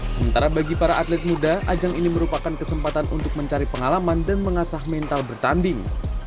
sementara bagi para atlet muda ajang ini merupakan kesempatan untuk mencari pengalaman dan mengasah mental bertanding